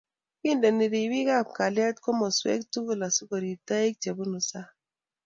Kindeni ripik ab kalyet komoswek tukul asikorip toek che bunu sang